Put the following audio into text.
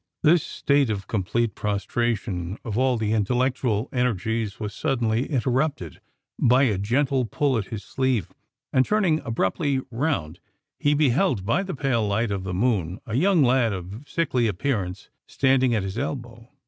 This state of complete prostration of all the intellectual energies was suddenly interrupted by a gentle pull at his sleeve; and turning abruptly round, he beheld, by the pale light of the moon, a young lad of sickly appearance standing at his elbow.